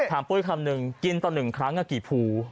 ปุ้ยคำนึงกินต่อ๑ครั้งกี่ภู